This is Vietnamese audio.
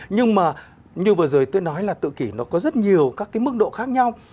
nhưng mà như vừa rồi tôi nói là tự kỷ nó có rất nhiều các cái mức độ khác nhau